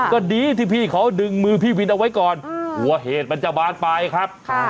ก็ดีที่พี่เขาดึงมือพี่วินเอาไว้ก่อนกลัวเหตุมันจะบานปลายครับ